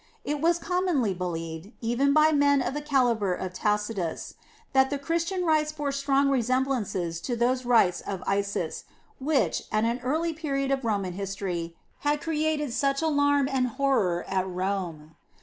It was commonly believed, even by men of the calibre of Tacitus, that the Christian rites bore strong resemblances to those rites of Isis which, at an early period of Roman history, had created such alarm and horror at Rome.